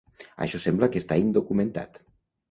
Això sembla que està indocumentat.